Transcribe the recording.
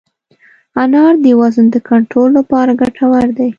انار د وزن د کنټرول لپاره ګټور دی.